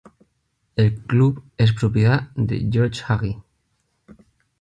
El club es propiedad de Gheorghe Hagi.